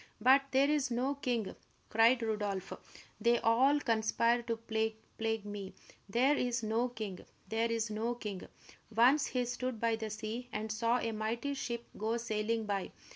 "But there is no king!" cried Rodolph. "They all conspire to plague me! There is no king there is no king!" Once he stood by the sea and saw a mighty ship go sailing by.